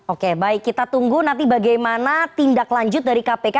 oke baik kita tunggu nanti bagaimana tindak lanjut dari kpk